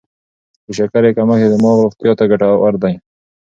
د شکرې کمښت د دماغ روغتیا ته ګټور دی.